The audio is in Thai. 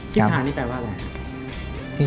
คิดค้านี้แปลว่าอะไรครับ